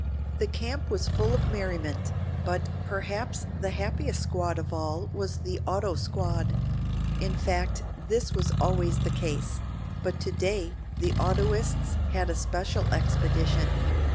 The camp was full of merriment, but perhaps the happiest squad of all was the auto squad. In fact this was always the case, but today the autoists had a special expedition.